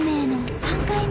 ・３回目。